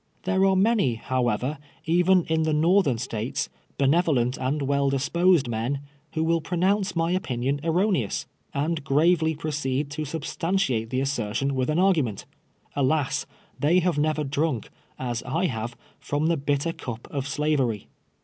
Tliere are many, however, even in the I\ orthern States, benevolent and well disposed men, who w411 pronounce my opinion erroneous, and gravely proceed to substantiate the assertion with an argument. Alas ! they have never drank, as I have, from the bitter cup of slavery.